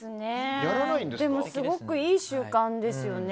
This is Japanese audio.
でも、すごくいい習慣ですよね。